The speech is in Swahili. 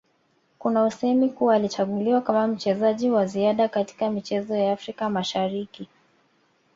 Kuna usemi kuwa alichaguliwa kama mchezaji wa ziada kaitka michezo ya Afrika Mashariki